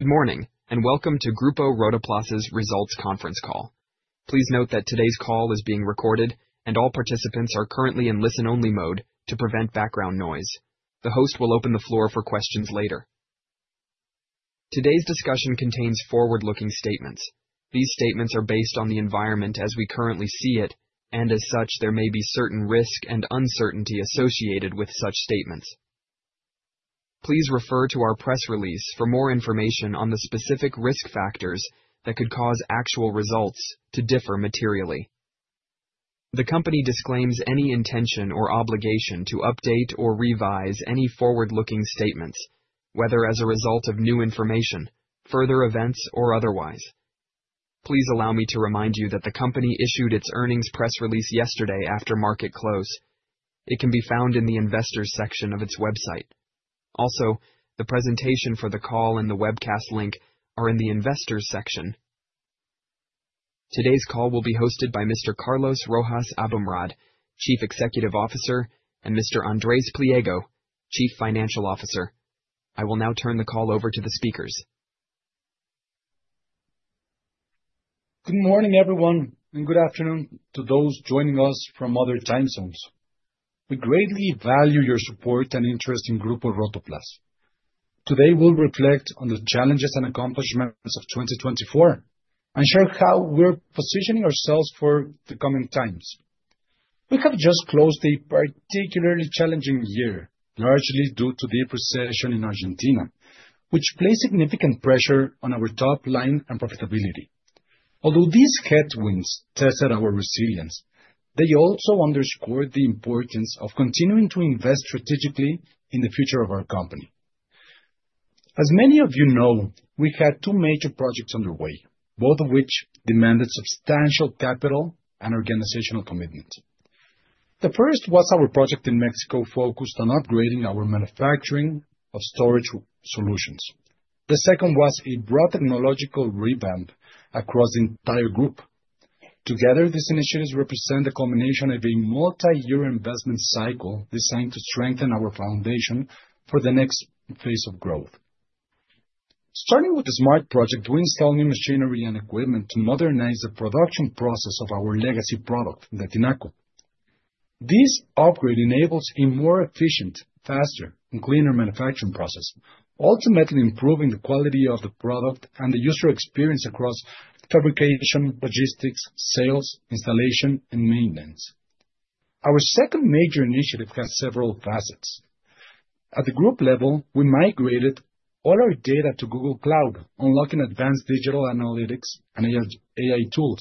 Good morning, and welcome to Grupo Rotoplas' results conference call. Please note that today's call is being recorded, and all participants are currently in listen-only mode to prevent background noise. The host will open the floor for questions later. Today's discussion contains forward-looking statements. These statements are based on the environment as we currently see it, and as such there may be certain risk and uncertainty associated with such statements. Please refer to our press release for more information on the specific risk factors that could cause actual results to differ materially. The company disclaims any intention or obligation to update or revise any forward-looking statements, whether as a result of new information, further events, or otherwise. Please allow me to remind you that the company issued its earnings press release yesterday after market close. It can be found in the investors' section of its website. Also, the presentation for the call and the webcast link are in the investors' section. Today's call will be hosted by Mr. Carlos Rojas Aboumrad, Chief Executive Officer, and Mr. Andrés Pliego, Chief Financial Officer. I will now turn the call over to the speakers. Good morning, everyone, and good afternoon to those joining us from other time zones. We greatly value your support and interest in Grupo Rotoplas. Today, we'll reflect on the challenges and accomplishments of 2024 and share how we're positioning ourselves for the coming times. We have just closed a particularly challenging year, largely due to the recession in Argentina, which placed significant pressure on our top line and profitability. Although these headwinds tested our resilience, they also underscored the importance of continuing to invest strategically in the future of our company. As many of you know, we had two major projects underway, both of which demanded substantial capital and organizational commitment. The first was our project in Mexico, focused on upgrading our manufacturing of storage solutions. The second was a broad technological revamp across the entire group. Together, these initiatives represent a combination of a multi-year investment cycle designed to strengthen our foundation for the next phase of growth. Starting with the smart project, we install new machinery and equipment to modernize the production process of our legacy product, the tinaco. This upgrade enables a more efficient, faster, and cleaner manufacturing process, ultimately improving the quality of the product and the user experience across fabrication, logistics, sales, installation, and maintenance. Our second major initiative has several facets. At the group level, we migrated all our data to Google Cloud, unlocking advanced digital analytics and AI tools.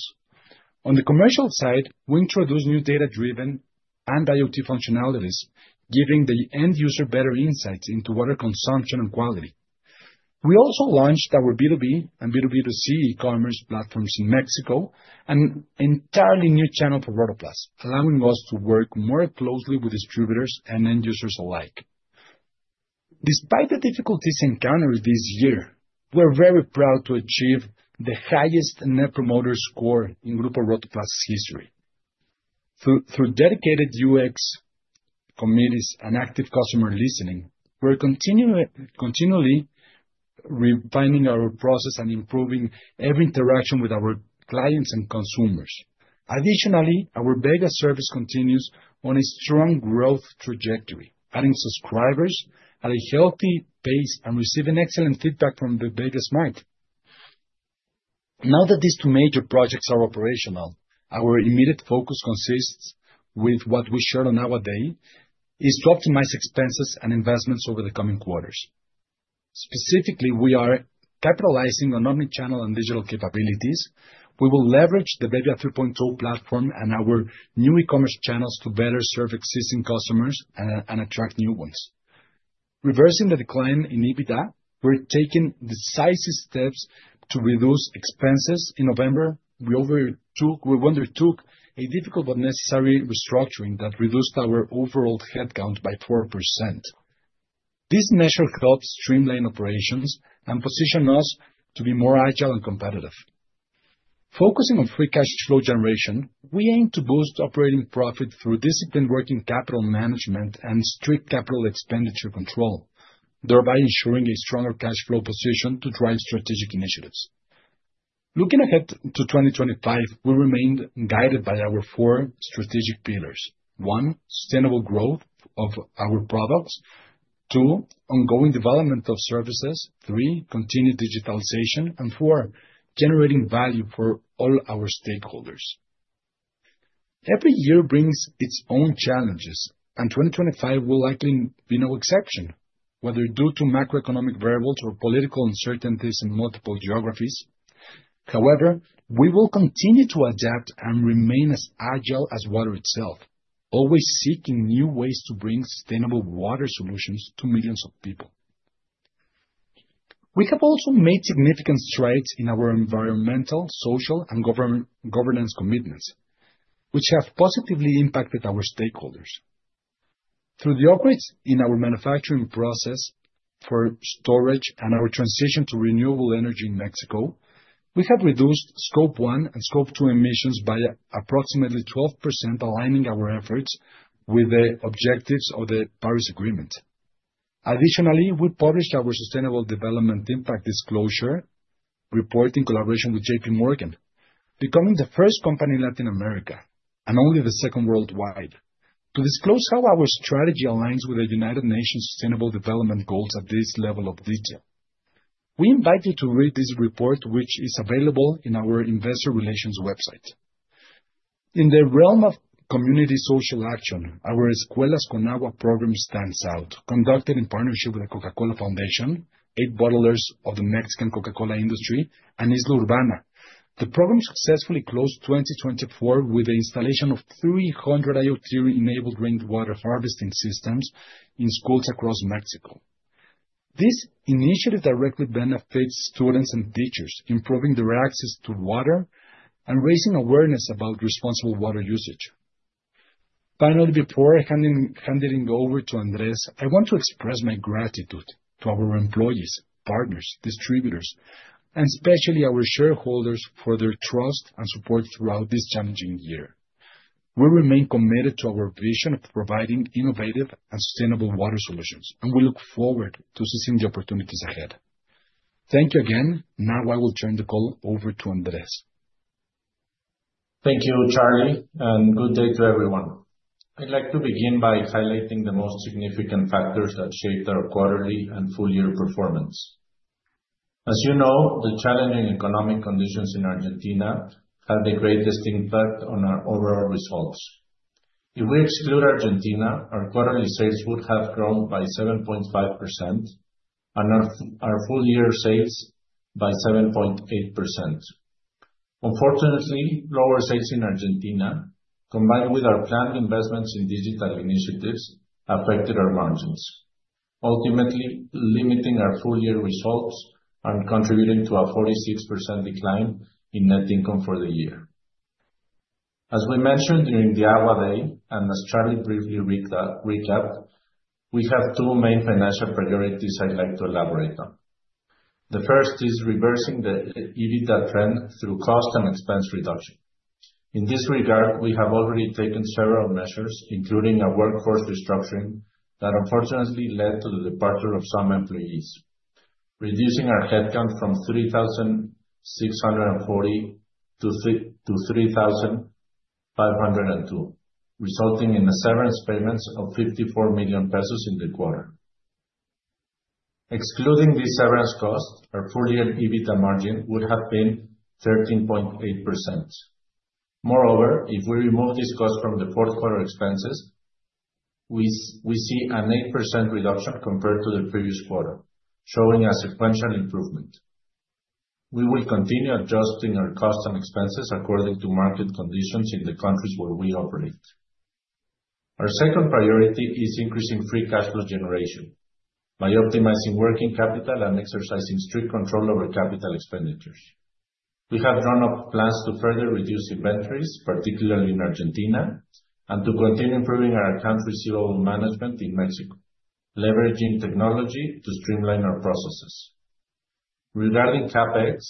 On the commercial side, we introduced new data-driven and IoT functionalities, giving the end user better insights into water consumption and quality. We also launched our B2B and B2B2C e-commerce platforms in Mexico and an entirely new channel for Rotoplas, allowing us to work more closely with distributors and end users alike. Despite the difficulties encountered this year, we're very proud to achieve the highest Net Promoter Score in Grupo Rotoplas' history. Through dedicated UX committees and active customer listening, we're continually refining our process and improving every interaction with our clients and consumers. Additionally, our bebbia service continues on a strong growth trajectory, adding subscribers at a healthy pace and receiving excellent feedback from the bebbia smart. Now that these two major projects are operational, our immediate focus, consistent with what we shared today, is to optimize expenses and investments over the coming quarters. Specifically, we are capitalizing on omnichannel and digital capabilities. We will leverage the bebbia 3.0 platform and our new e-commerce channels to better serve existing customers and attract new ones. Reversing the decline in EBITDA, we're taking decisive steps to reduce expenses. In November, we undertook a difficult but necessary restructuring that reduced our overall headcount by 4%. This measure helps streamline operations and positions us to be more agile and competitive. Focusing on free cash flow generation, we aim to boost operating profit through disciplined working capital management and strict capital expenditure control, thereby ensuring a stronger cash flow position to drive strategic initiatives. Looking ahead to 2025, we remain guided by our four strategic pillars: one, sustainable growth of our products; two, ongoing development of services; three, continued digitalization; and four, generating value for all our stakeholders. Every year brings its own challenges, and 2025 will likely be no exception, whether due to macroeconomic variables or political uncertainties in multiple geographies. However, we will continue to adapt and remain as agile as water itself, always seeking new ways to bring sustainable water solutions to millions of people. We have also made significant strides in our environmental, social, and governance commitments, which have positively impacted our stakeholders. Through the upgrades in our manufacturing process for storage and our transition to renewable energy in Mexico, we have reduced Scope 1 and Scope 2 emissions by approximately 12%, aligning our efforts with the objectives of the Paris Agreement. Additionally, we published our sustainable development impact disclosure report in collaboration with JPMorgan, becoming the first company in Latin America and only the second worldwide to disclose how our strategy aligns with the United Nations Sustainable Development Goals at this level of detail. We invite you to read this report, which is available in our investor relations website. In the realm of community social action, our Escuelas con Agua program stands out, conducted in partnership with the Coca-Cola Foundation, eight bottlers of the Mexican Coca-Cola Industry, and Isla Urbana. The program successfully closed 2024 with the installation of 300 IoT-enabled rainwater harvesting systems in schools across Mexico. This initiative directly benefits students and teachers, improving their access to water and raising awareness about responsible water usage. Finally, before handing over to Andrés, I want to express my gratitude to our employees, partners, distributors, and especially our shareholders for their trust and support throughout this challenging year. We remain committed to our vision of providing innovative and sustainable water solutions, and we look forward to seeing the opportunities ahead. Thank you again. Now I will turn the call over to Andrés. Thank you, Charlie, and good day to everyone. I'd like to begin by highlighting the most significant factors that shaped our quarterly and full-year performance. As you know, the challenging economic conditions in Argentina have the greatest impact on our overall results. If we exclude Argentina, our quarterly sales would have grown by 7.5% and our full-year sales by 7.8%. Unfortunately, lower sales in Argentina, combined with our planned investments in digital initiatives, affected our margins, ultimately limiting our full-year results and contributing to a 46% decline in net income for the year. As we mentioned during the Agua Day and as Charlie briefly recapped, we have two main financial priorities I'd like to elaborate on. The first is reversing the EBITDA trend through cost and expense reduction. In this regard, we have already taken several measures, including a workforce restructuring that unfortunately led to the departure of some employees, reducing our headcount from 3,640 to 3,502, resulting in a severance payment of 54 million pesos in the quarter. Excluding these severance costs, our full-year EBITDA margin would have been 13.8%. Moreover, if we remove these costs from the fourth quarter expenses, we see an 8% reduction compared to the previous quarter, showing a sequential improvement. We will continue adjusting our costs and expenses according to market conditions in the countries where we operate. Our second priority is increasing free cash flow generation by optimizing working capital and exercising strict control over capital expenditures. We have drawn up plans to further reduce inventories, particularly in Argentina, and to continue improving our inventory level management in Mexico, leveraging technology to streamline our processes. Regarding CapEx,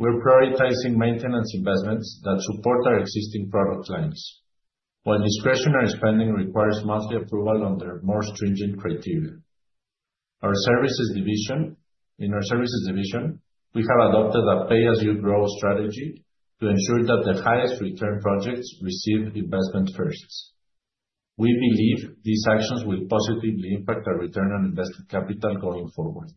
we're prioritizing maintenance investments that support our existing product lines, while discretionary spending requires monthly approval under more stringent criteria. In our services division, we have adopted a pay-as-you-grow strategy to ensure that the highest return projects receive investment first. We believe these actions will positively impact our return on invested capital going forward.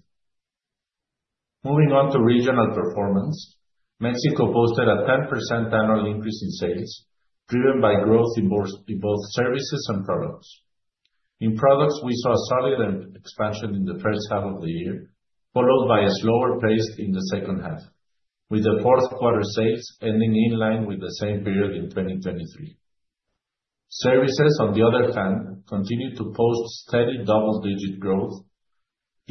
Moving on to regional performance, Mexico posted a 10% annual increase in sales, driven by growth in both services and products. In products, we saw a solid expansion in the first half of the year, followed by a slower pace in the second half, with the fourth quarter sales ending in line with the same period in 2023. Services, on the other hand, continued to post steady double-digit growth.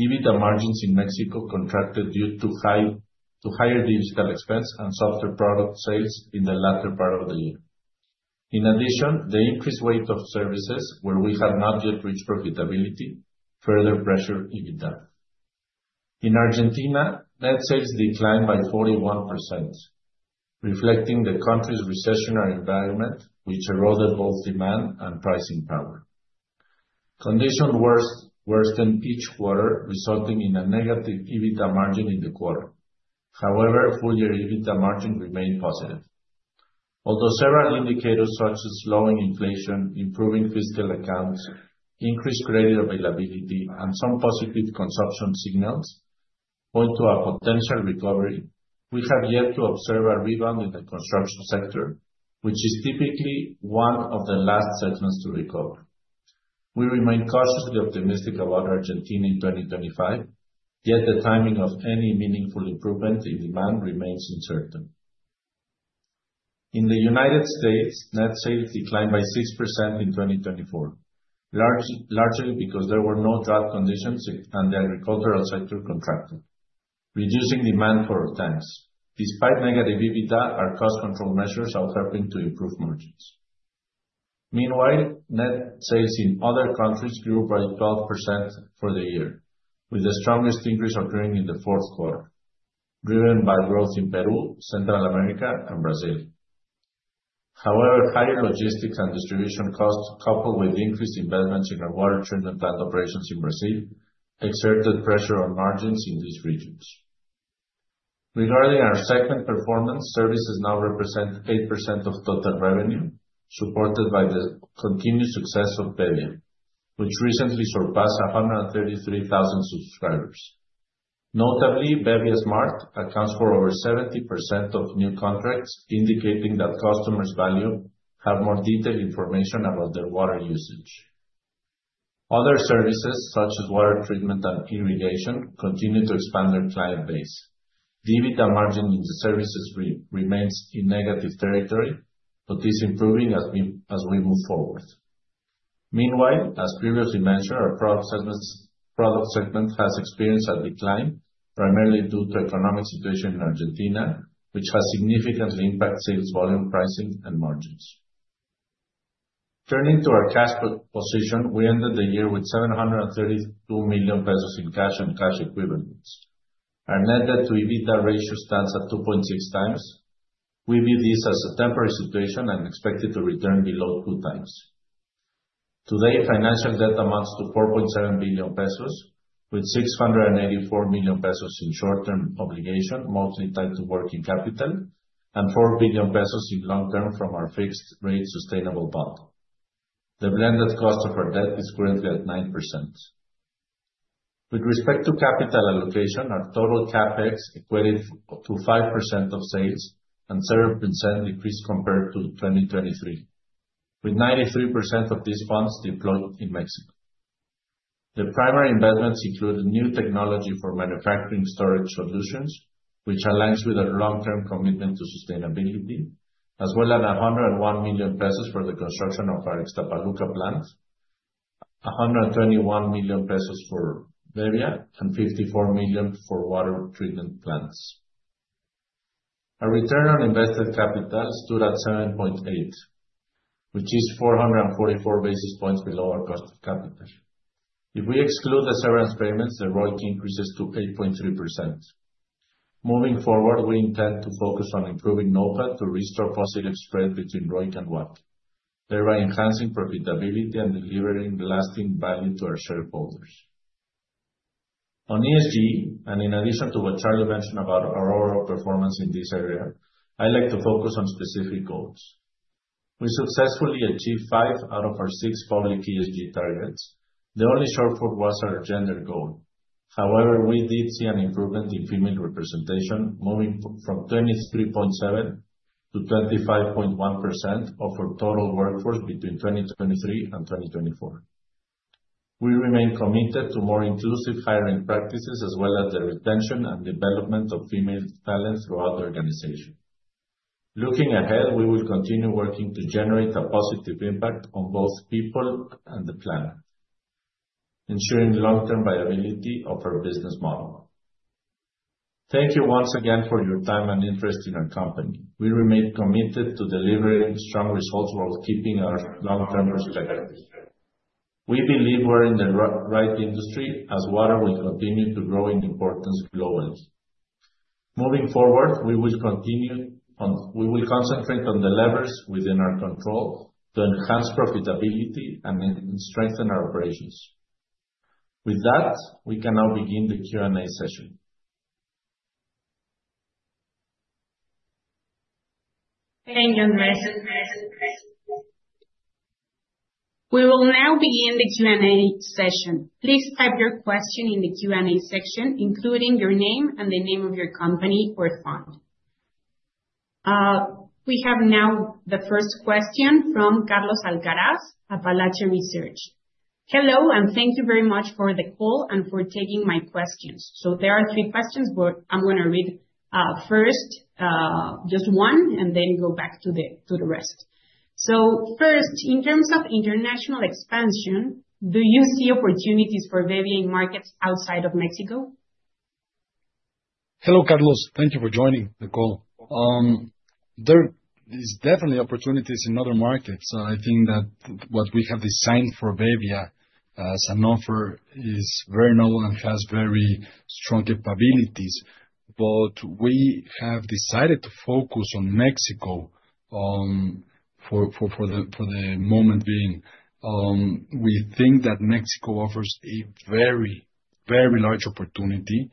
EBITDA margins in Mexico contracted due to higher digital expense and softer product sales in the latter part of the year. In addition, the increased weight of services, where we have not yet reached profitability, further pressured EBITDA. In Argentina, net sales declined by 41%, reflecting the country's recessionary environment, which eroded both demand and pricing power. Conditions worsened each quarter, resulting in a negative EBITDA margin in the quarter. However, full-year EBITDA margins remained positive. Although several indicators such as slowing inflation, improving fiscal accounts, increased credit availability, and some positive consumption signals point to a potential recovery, we have yet to observe a rebound in the construction sector, which is typically one of the last segments to recover. We remain cautiously optimistic about Argentina in 2025, yet the timing of any meaningful improvement in demand remains uncertain. In the United States, net sales declined by 6% in 2024, largely because there were no drought conditions and the agricultural sector contracted, reducing demand for our tanks. Despite negative EBITDA, our cost control measures are helping to improve margins. Meanwhile, net sales in other countries grew by 12% for the year, with the strongest increase occurring in the fourth quarter, driven by growth in Peru, Central America, and Brazil. However, higher logistics and distribution costs, coupled with increased investments in our water treatment plant operations in Brazil, exerted pressure on margins in these regions. Regarding our segment performance, services now represent 8% of total revenue, supported by the continued success of bebbia, which recently surpassed 133,000 subscribers. Notably, bebbia smart accounts for over 70% of new contracts, indicating that customers value having more detailed information about their water usage. Other services, such as water treatment and irrigation, continue to expand their client base. The EBITDA margin in the services remains in negative territory, but is improving as we move forward. Meanwhile, as previously mentioned, our product segment has experienced a decline, primarily due to the economic situation in Argentina, which has significantly impacted sales volume, pricing, and margins. Turning to our cash position, we ended the year with 732 million pesos in cash and cash equivalents. Our net debt to EBITDA ratio stands at 2.6x. We view this as a temporary situation and expect it to return below 2x. Today, financial debt amounts to 4.7 billion pesos, with 684 million pesos in short-term obligation, mostly tied to working capital, and 4 billion pesos in long-term from our fixed-rate sustainable bond. The blended cost of our debt is currently at 9%. With respect to capital allocation, our total CapEx equated to 5% of sales and 7% decreased compared to 2023, with 93% of these funds deployed in Mexico. The primary investments include new technology for manufacturing storage solutions, which aligns with our long-term commitment to sustainability, as well as 101 million pesos for the construction of our Iztapaluca plant, 121 million pesos for bebbia, and 54 million for water treatment plants. Our return on invested capital stood at 7.8%, which is 444 basis points below our cost of capital. If we exclude the severance payments, the ROIC increases to 8.3%. Moving forward, we intend to focus on improving NOPAT to restore positive spread between ROIC and WACC, thereby enhancing profitability and delivering lasting value to our shareholders. On ESG, and in addition to what Charlie mentioned about our overall performance in this area, I'd like to focus on specific goals. We successfully achieved five out of our six public ESG targets. The only shortfall was our gender goal. However, we did see an improvement in female representation, moving from 23.7%-25.1% of our total workforce between 2023 and 2024. We remain committed to more inclusive hiring practices, as well as the retention and development of female talent throughout the organization. Looking ahead, we will continue working to generate a positive impact on both people and the planet, ensuring long-term viability of our business model. Thank you once again for your time and interest in our company. We remain committed to delivering strong results while keeping our long-term perspective. We believe we're in the right industry, as water will continue to grow in importance globally. Moving forward, we will concentrate on the levers within our control to enhance profitability and strengthen our operations. With that, we can now begin the Q&A session. Thank you, Andres. We will now begin the Q&A session. Please type your question in the Q&A section, including your name and the name of your company or fund. We have now the first question from Carlos Alcaraz, Apalache Research. Hello, and thank you very much for the call and for taking my questions. So there are three questions I'm going to read first, just one, and then go back to the rest. So first, in terms of international expansion, do you see opportunities for bebbia in markets outside of Mexico? Hello, Carlos. Thank you for joining the call. There are definitely opportunities in other markets. I think that what we have designed for bebbia as an offer is very novel and has very strong capabilities. But we have decided to focus on Mexico for the moment being. We think that Mexico offers a very, very large opportunity.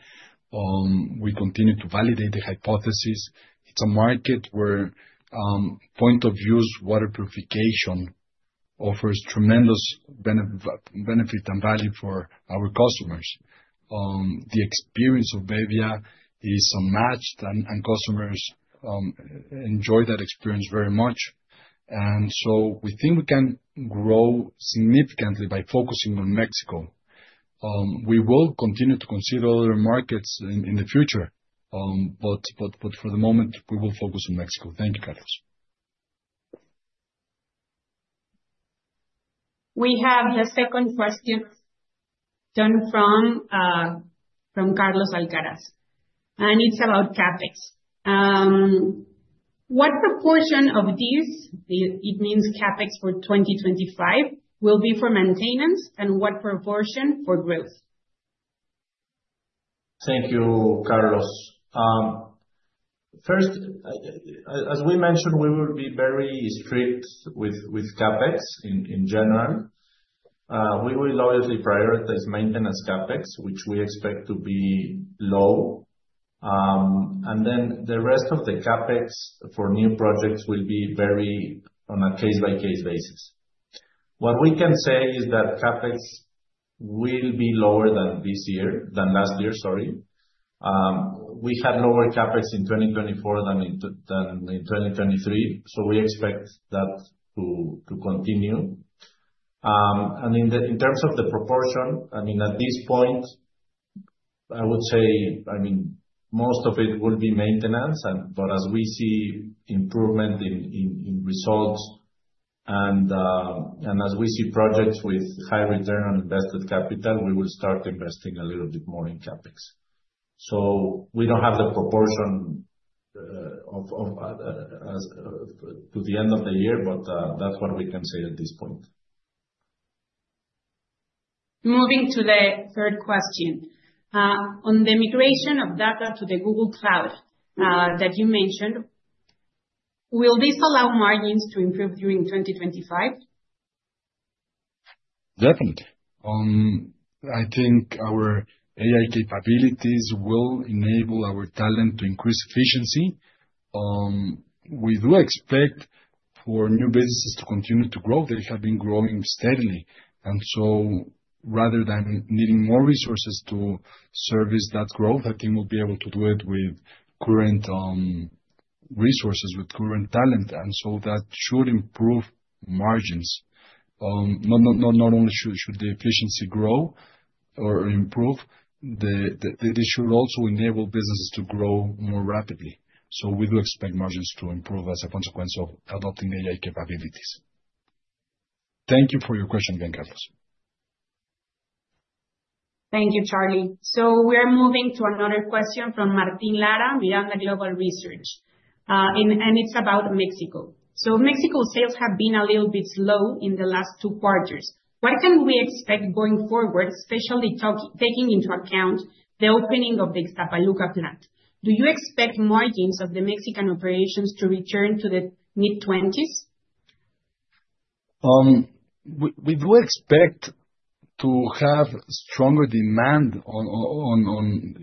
We continue to validate the hypothesis. It's a market where point-of-use water purification offers tremendous benefit and value for our customers. The experience of bebbia is unmatched, and customers enjoy that experience very much. And so we think we can grow significantly by focusing on Mexico. We will continue to consider other markets in the future, but for the moment, we will focus on Mexico. Thank you, Carlos. We have the second question from Carlos Alcaraz, and it's about CapEx. What proportion of this, it means CapEx for 2025, will be for maintenance, and what proportion for growth? Thank you, Carlos. First, as we mentioned, we will be very strict with CapEx in general. We will obviously prioritize maintenance CapEx, which we expect to be low. And then the rest of the CapEx for new projects will be very on a case-by-case basis. What we can say is that CapEx will be lower than last year, sorry. We had lower CapEx in 2024 than in 2023, so we expect that to continue. And in terms of the proportion, I mean, at this point, I would say, I mean, most of it will be maintenance, but as we see improvement in results and as we see projects with high return on invested capital, we will start investing a little bit more in CapEx. So we don't have the proportion to the end of the year, but that's what we can say at this point. Moving to the third question. On the migration of data to the Google Cloud that you mentioned, will this allow margins to improve during 2025? Definitely. I think our AI capabilities will enable our talent to increase efficiency. We do expect for new businesses to continue to grow. They have been growing steadily. And so rather than needing more resources to service that growth, I think we'll be able to do it with current resources, with current talent. And so that should improve margins. Not only should the efficiency grow or improve, this should also enable businesses to grow more rapidly. So we do expect margins to improve as a consequence of adopting AI capabilities. Thank you for your question again, Carlos. Thank you, Charlie. So we are moving to another question from Martin Lara, Miranda Global Research. And it's about Mexico. So Mexico's sales have been a little bit slow in the last two quarters. What can we expect going forward, especially taking into account the opening of the Iztapaluca plant? Do you expect margins of the Mexican operations to return to the mid-20s? We do expect to have stronger demand on.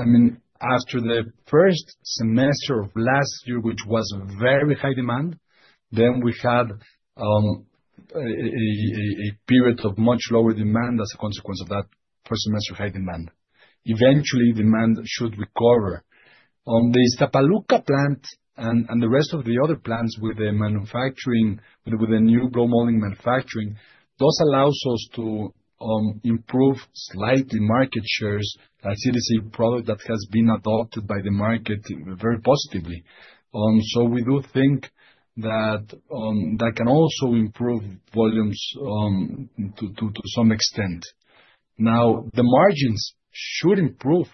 I mean, after the first semester of last year, which was very high demand, then we had a period of much lower demand as a consequence of that first semester high demand. Eventually, demand should recover. The Iztapaluca plant and the rest of the other plants with the manufacturing, with the new blow molding manufacturing, those allow us to improve slightly market shares as it is a product that has been adopted by the market very positively. We do think that that can also improve volumes to some extent. Now, the margins should improve,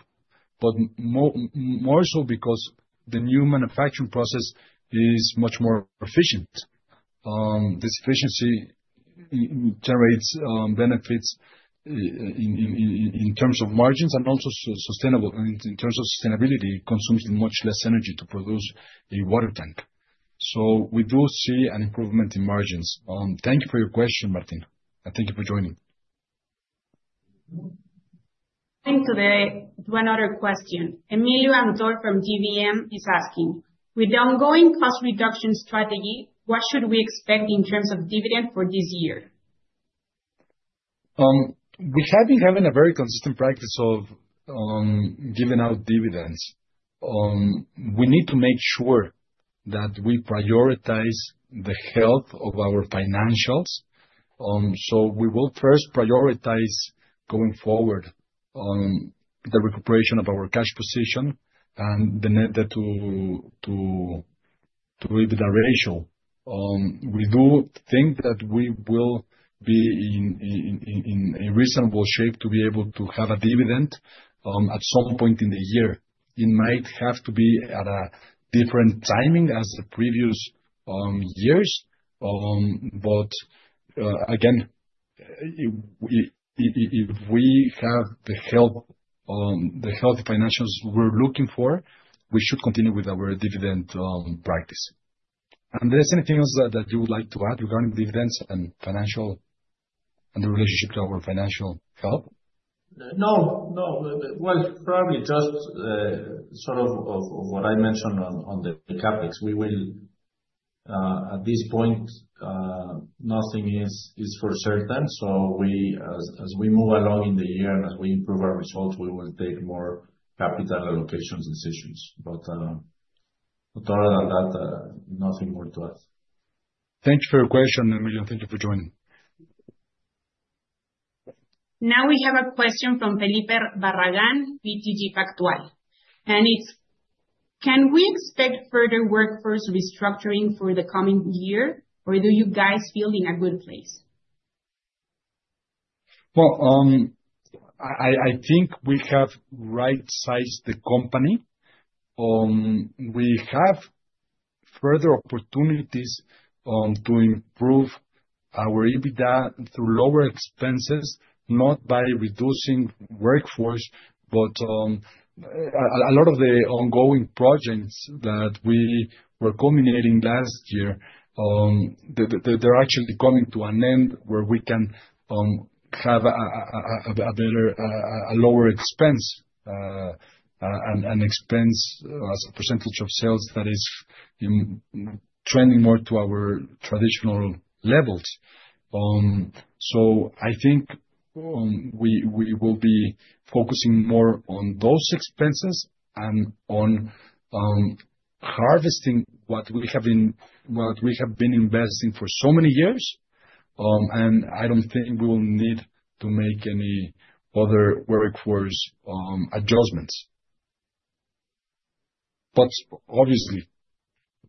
but more so because the new manufacturing process is much more efficient. This efficiency generates benefits in terms of margins and also in terms of sustainability. It consumes much less energy to produce a water tank. We do see an improvement in margins. Thank you for your question, Martin, and thank you for joining. Thank you. One other question. Emilio Antor from GBM is asking, with the ongoing cost reduction strategy, what should we expect in terms of dividend for this year? We have been having a very consistent practice of giving out dividends. We need to make sure that we prioritize the health of our financials. So we will first prioritize going forward the recuperation of our cash position and the net debt to EBITDA ratio. We do think that we will be in a reasonable shape to be able to have a dividend at some point in the year. It might have to be at a different timing as the previous years. But again, if we have the health financials we're looking for, we should continue with our dividend practice. And there's anything else that you would like to add regarding dividends and financial and the relationship to our financial health? No, well, probably just sort of what I mentioned on the CapEx. We will, at this point, nothing is for certain, so as we move along in the year and as we improve our results, we will take more capital allocations decisions, but other than that, nothing more to add. Thank you for your question, Emilio. Thank you for joining. Now we have a question from Felipe Barragán, BTG Pactual, and it's, can we expect further workforce restructuring for the coming year, or do you guys feel in a good place? I think we have right-sized the company. We have further opportunities to improve our EBITDA through lower expenses, not by reducing workforce, but a lot of the ongoing projects that we were culminating last year, they're actually coming to an end where we can have a lower expense and expense as a percentage of sales that is trending more to our traditional levels. I think we will be focusing more on those expenses and on harvesting what we have been investing for so many years. I don't think we will need to make any other workforce adjustments. Obviously,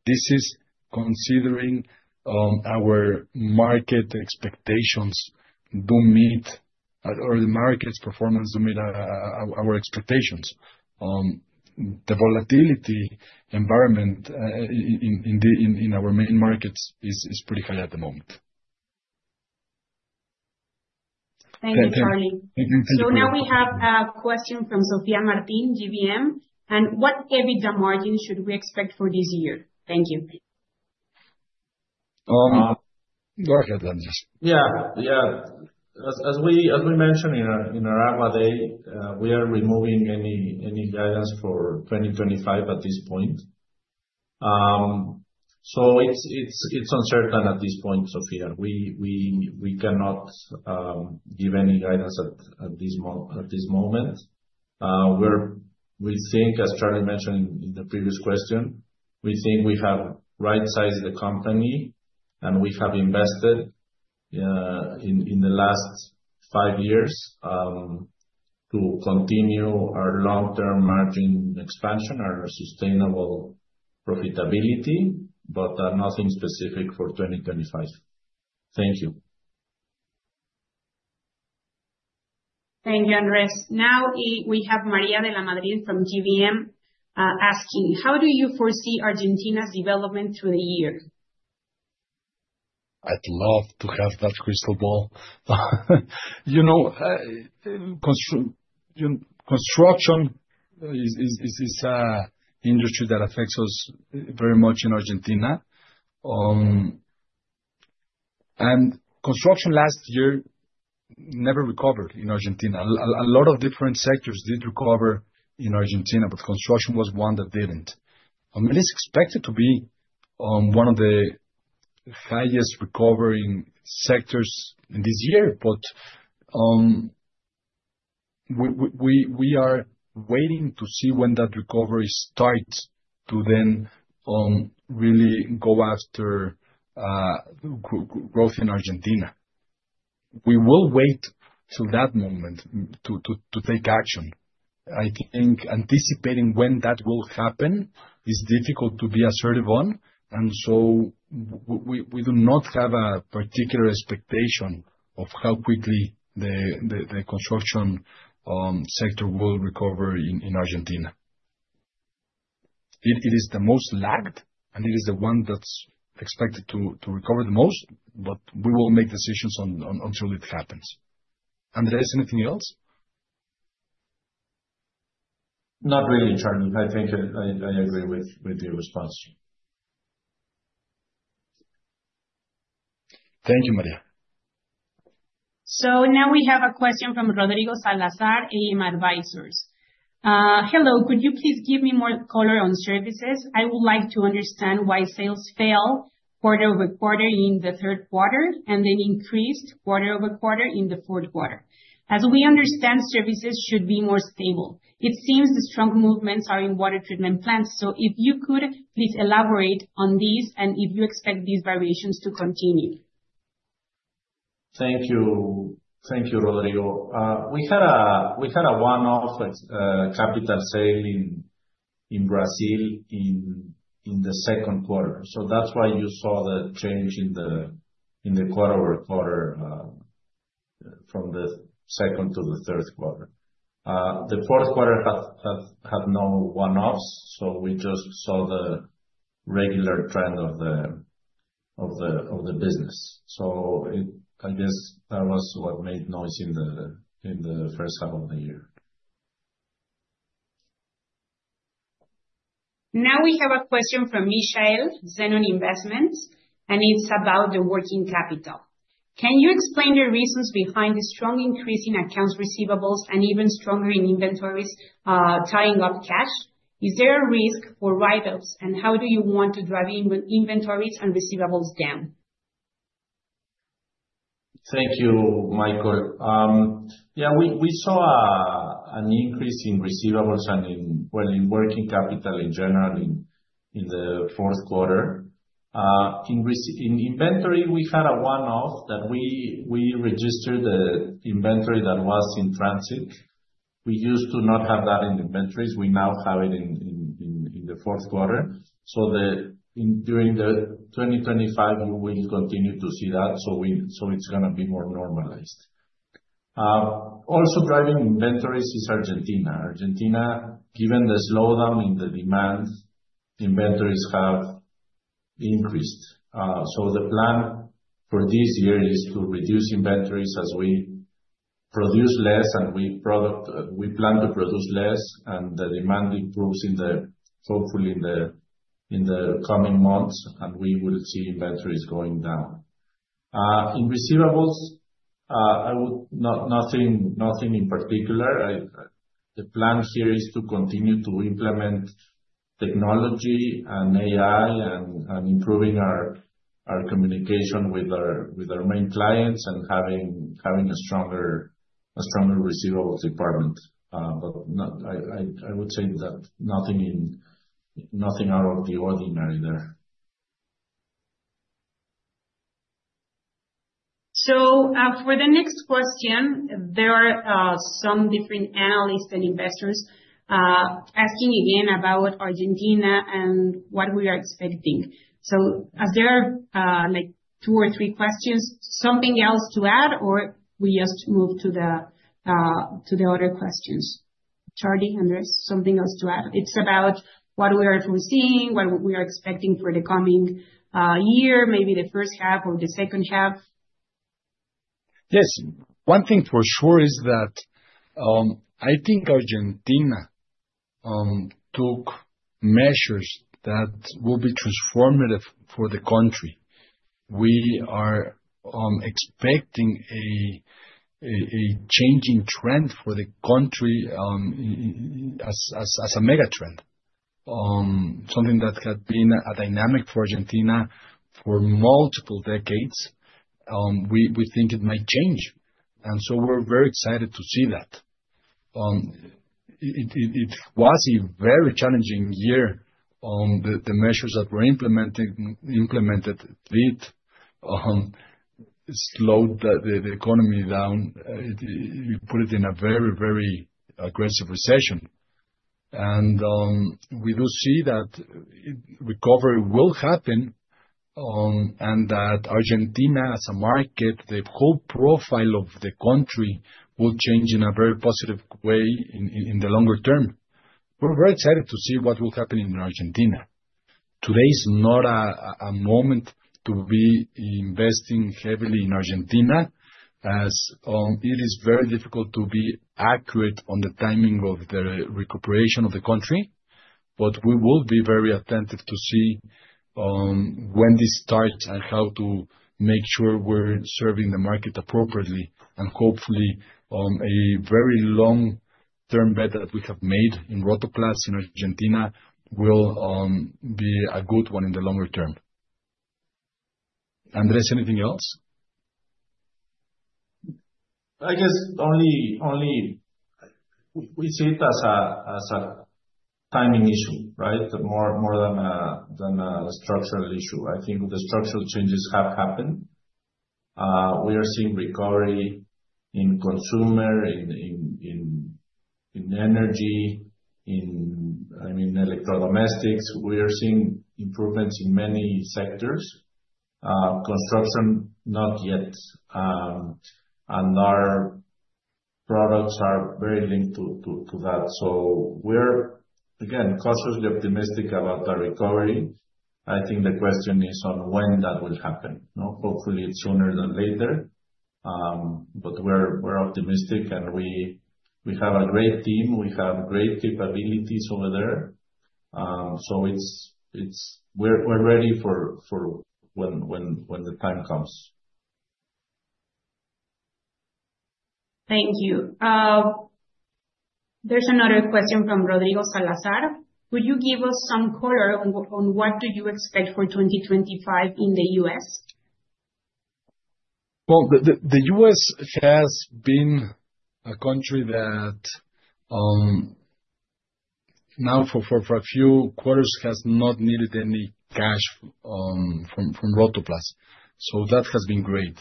this is considering the market's performance do meet our expectations. The volatility environment in our main markets is pretty high at the moment. Thank you, Charlie. Now we have a question from Sofía Martin, GBM. What EBITDA margin should we expect for this year? Thank you. Go ahead, Andrés. Yeah. As we mentioned in our AMA day, we are removing any guidance for 2025 at this point. So it's uncertain at this point, Sofía. We cannot give any guidance at this moment. We think, as Charlie mentioned in the previous question, we think we have right-sized the company, and we have invested in the last five years to continue our long-term margin expansion, our sustainable profitability, but nothing specific for 2025. Thank you. Thank you, Andres. Now we have María de la Madrid from GBM asking, how do you foresee Argentina's development through the year? I'd love to have that crystal ball. Construction is an industry that affects us very much in Argentina. Construction last year never recovered in Argentina. A lot of different sectors did recover in Argentina, but construction was one that didn't. I mean, it's expected to be one of the highest recovering sectors in this year, but we are waiting to see when that recovery starts to then really go after growth in Argentina. We will wait till that moment to take action. I think anticipating when that will happen is difficult to be assertive on. So we do not have a particular expectation of how quickly the construction sector will recover in Argentina. It is the most lagged, and it is the one that's expected to recover the most, but we will make decisions until it happens. Is there anything else? Not really, [Carlos]. I think I agree with your response. Thank you, María. Now we have a question from Rodrigo Salazar, AM Advisors. Hello, could you please give me more color on services? I would like to understand why sales fell quarter-over-quarter in the third quarter and then increased quarter-over-quarter in the fourth quarter. As we understand, services should be more stable. It seems the strong movements are in water treatment plants. So if you could please elaborate on these and if you expect these variations to continue. Thank you, Rodrigo. We had a one-off capital sale in Brazil in the second quarter. So that's why you saw the change in the quarter-over-quarter from the second to the third quarter. The fourth quarter had no one-offs, so we just saw the regular trend of the business. So I guess that was what made noise in the first half of the year. Now we have a question from [Michael, Zenn Investment], and it's about the working capital. Can you explain the reasons behind the strong increase in accounts receivables and even stronger in inventories tying up cash? Is there a risk for write-ups, and how do you want to drive inventories and receivables down? Thank you, Michael. Yeah, we saw an increase in receivables and in working capital in general in the fourth quarter. In inventory, we had a one-off that we registered the inventory that was in transit. We used to not have that in inventories. We now have it in the fourth quarter. So during the 2025, we will continue to see that. So it's going to be more normalized. Also driving inventories is Argentina. Argentina, given the slowdown in the demand, inventories have increased. So the plan for this year is to reduce inventories as we produce less, and we plan to produce less, and the demand improves hopefully in the coming months, and we will see inventories going down. In receivables, nothing in particular. The plan here is to continue to implement technology and AI and improving our communication with our main clients and having a stronger receivables department. But I would say that nothing out of the ordinary there. So for the next question, there are some different analysts and investors asking again about Argentina and what we are expecting. So are there two or three questions, something else to add, or we just move to the other questions? Charlie, Andres, something else to add? It's about what we are foreseeing, what we are expecting for the coming year, maybe the first half or the second half. Yes. One thing for sure is that I think Argentina took measures that will be transformative for the country. We are expecting a changing trend for the country as a mega trend, something that had been a dynamic for Argentina for multiple decades. We think it might change, and so we're very excited to see that. It was a very challenging year. The measures that were implemented slowed the economy down. It put it in a very, very aggressive recession, and we do see that recovery will happen and that Argentina as a market, the whole profile of the country will change in a very positive way in the longer-term. We're very excited to see what will happen in Argentina. Today is not a moment to be investing heavily in Argentina as it is very difficult to be accurate on the timing of the recuperation of the country. But we will be very attentive to see when this starts and how to make sure we're serving the market appropriately. And hopefully, a very long-term bet that we have made in Rotoplas in Argentina will be a good one in the longer-term. Andres, anything else? I guess only we see it as a timing issue, right? More than a structural issue. I think the structural changes have happened. We are seeing recovery in consumer, in energy, in electrodomestics. We are seeing improvements in many sectors. Construction, not yet, and our products are very linked to that. So we're, again, cautiously optimistic about the recovery. I think the question is on when that will happen. Hopefully, it's sooner than later, but we're optimistic, and we have a great team. We have great capabilities over there. So we're ready for when the time comes. Thank you. There's another question from Rodrigo Salazar. Could you give us some color on what do you expect for 2025 in the U.S.? The U.S. has been a country that now for a few quarters has not needed any cash from Rotoplas. That has been great.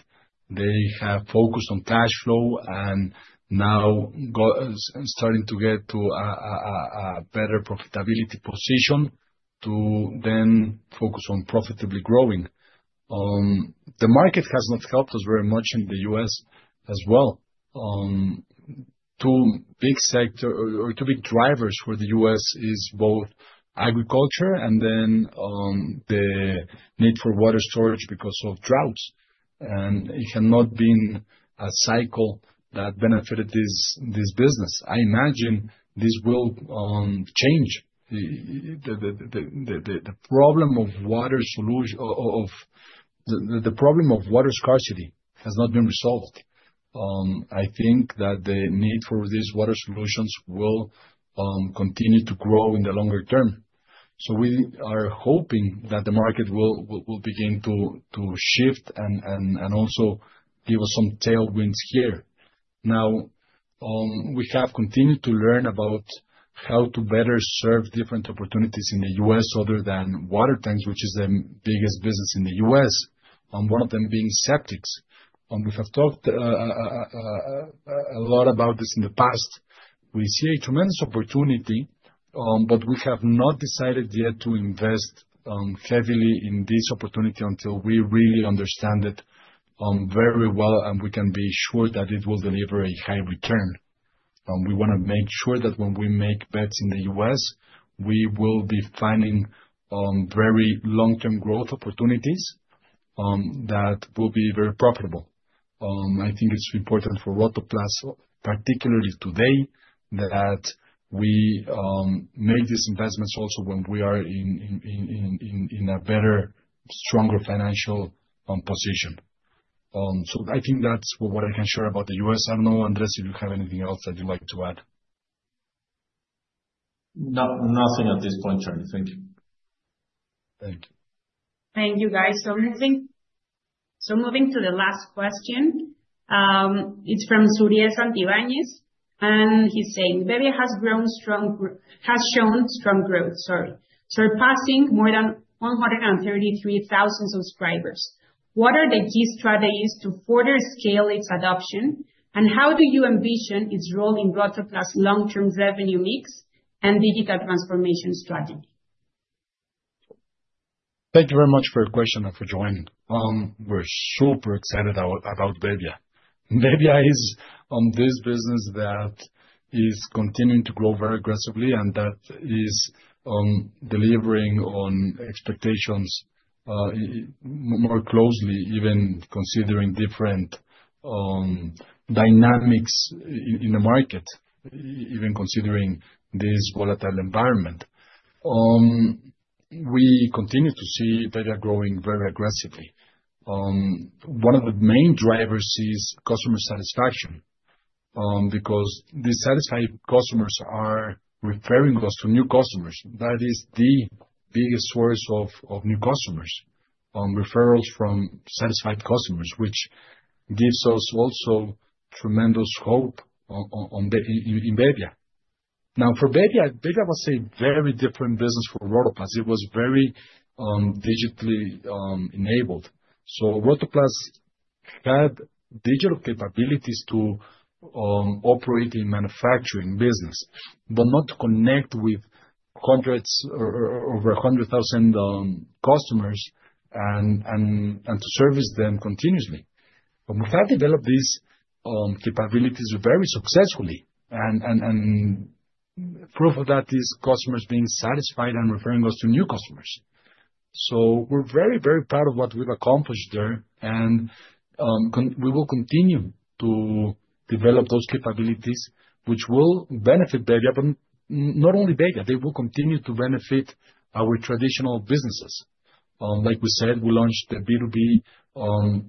They have focused on cash flow and now starting to get to a better profitability position to then focus on profitably growing. The market has not helped us very much in the U.S. as well. Two big drivers for the U.S. is both agriculture and then the need for water storage because of droughts. It has not been a cycle that benefited this business. I imagine this will change. The problem of water scarcity has not been resolved. I think that the need for these water solutions will continue to grow in the longer-term. We are hoping that the market will begin to shift and also give us some tailwinds here. Now, we have continued to learn about how to better serve different opportunities in the U.S. other than water tanks, which is the biggest business in the U.S., one of them being septics. We have talked a lot about this in the past. We see a tremendous opportunity, but we have not decided yet to invest heavily in this opportunity until we really understand it very well and we can be sure that it will deliver a high return. We want to make sure that when we make bets in the U.S., we will be finding very long-term growth opportunities that will be very profitable. I think it's important for Rotoplas, particularly today, that we make these investments also when we are in a better, stronger financial position. So I think that's what I can share about the U.S. I don't know, Andres, if you have anything else that you'd like to add. Nothing at this point, Carlos. Thank you. Thank you. Thank you, guys. So moving to the last question. It's from [Suriel Santibáñez], and he's saying, "Bebbia has shown strong growth, sorry, surpassing more than 133,000 subscribers. What are the key strategies to further scale its adoption, and how do you envision its role in Rotoplas' long-term revenue mix and digital transformation strategy?" Thank you very much for your question and for joining. We're super excited about bebbia. Bebbia is this business that is continuing to grow very aggressively and that is delivering on expectations more closely, even considering different dynamics in the market, even considering this volatile environment. We continue to see bebbia growing very aggressively. One of the main drivers is customer satisfaction because the satisfied customers are referring us to new customers. That is the biggest source of new customers, referrals from satisfied customers, which gives us also tremendous hope in bebbia. Now, for bebbia, bebbia was a very different business for Rotoplas. It was very digitally enabled. So Rotoplas had digital capabilities to operate in manufacturing business, but not to connect with over 100,000 customers and to service them continuously. But we have developed these capabilities very successfully. Proof of that is customers being satisfied and referring us to new customers. We're very, very proud of what we've accomplished there. We will continue to develop those capabilities, which will benefit bebbia, but not only bebbia, they will continue to benefit our traditional businesses. Like we said, we launched the B2B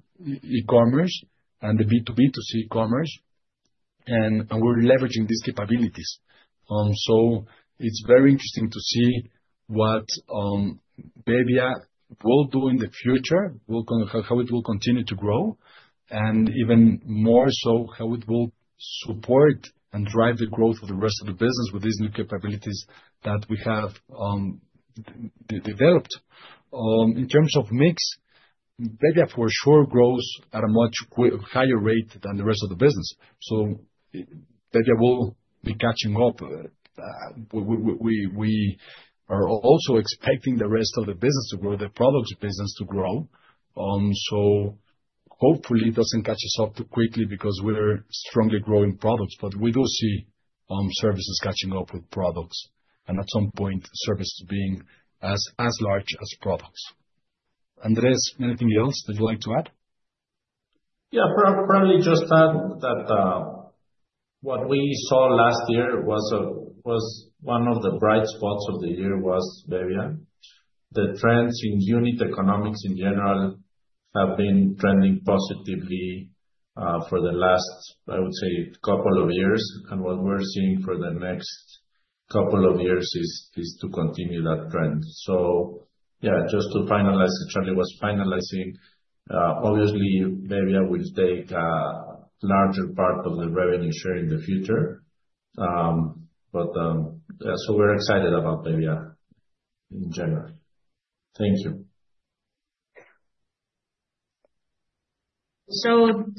e-commerce and the B2B2C e-commerce. We're leveraging these capabilities. It's very interesting to see what bebbia will do in the future, how it will continue to grow, and even more so how it will support and drive the growth of the rest of the business with these new capabilities that we have developed. In terms of mix, bebbia for sure grows at a much higher rate than the rest of the business. bebbia will be catching up. We are also expecting the rest of the business to grow, the products business to grow. So hopefully, it doesn't catch us up too quickly because we're strongly growing products. But we do see services catching up with products and at some point, services being as large as products. Andres, anything else that you'd like to add? Yeah, probably just add that what we saw last year was one of the bright spots of the year was bebbia. The trends in unit economics in general have been trending positively for the last, I would say, couple of years. And what we're seeing for the next couple of years is to continue that trend. So yeah, just to finalize, Charlie was finalizing. Obviously, Bebbia will take a larger part of the revenue share in the future. But so we're excited about Bebbia in general. Thank you.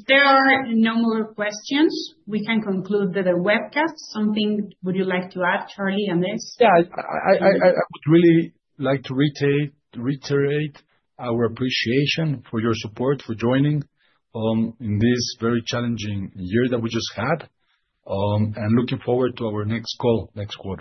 There are no more questions. We can conclude the webcast. Anything you would like to add, Charlie, Andrés? Yeah, I would really like to reiterate our appreciation for your support for joining in this very challenging year that we just had and looking forward to our next call, next quarter.